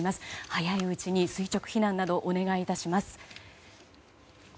早いうちに垂直避難などをお願いいたします。